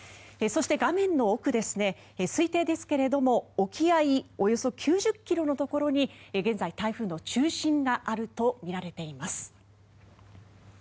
そして、画面の奥推定ですけれども沖合およそ９０ｋｍのところに現在、台風の中心があるとみられています。